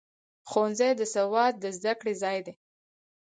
ښوونځی د سواد د زده کړې ځای دی.